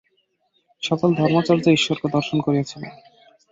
সকল ধর্মাচার্যই ঈশ্বরকে দর্শন করিয়াছিলেন।